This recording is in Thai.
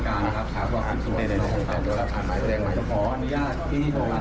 ก็โดยนะครับมันรับหรอกเดี๋ยวจะรับกินนะครับ